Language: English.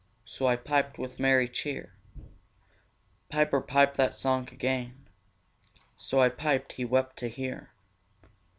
So I piped with merry cheer. 'Piper, pipe that song again.' So I piped: he wept to hear.